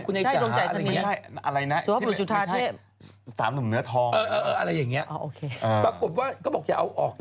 คุณไอ้จ๋าอะไรอย่างนี้สามารถหนุ่มเนื้อทองอะไรอย่างนี้ปรากฏว่าก็บอกอย่าเอาออกนะ